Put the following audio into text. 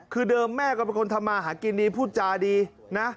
คือเดิมแม่ก็เป็นคนทำมาหากินดีพูดจาดีนะ